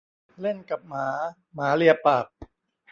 เล่นกับหมาหมาเลียปาก